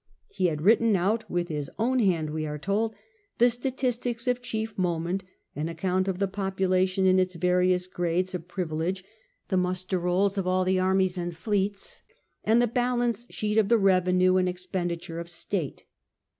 He had written out with his own hand, we are told, the statistics of chief moment, an account of the population in its various grades of pnvi B.C. 3I * 38 The Earlier Empire, !ege> tfie muster rolls of all the armies and the fleets, and the balance sheet of the revenue and expenditure of state.